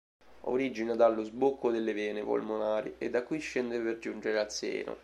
Origina Dallo sbocco delle vene polmonari e da qui scende per giungere al seno.